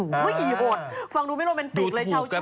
เฮ้ยโหดฟังดูไม่โรแมนติกเลยเฉาว่า